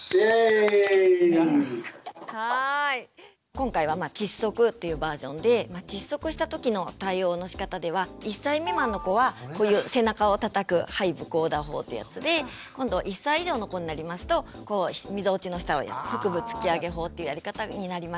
今回は窒息というバージョンで１歳未満の子はこういう背中をたたく背部叩打法ってやつで１歳以上の子になりますとみぞおちの下を腹部突き上げ法っていうやり方になります。